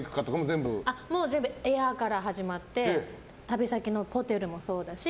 全部、部屋から始まって旅先のホテルもそうだし